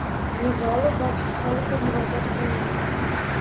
Nevrolog va psixologga murojaat qilinadi.